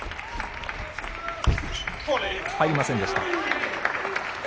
入りませんでした。